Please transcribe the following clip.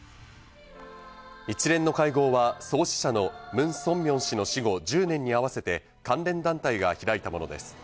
一連の会合は創始者のムン・ソンミョン氏の死後１０年に合わせて関連団体が開いたものです。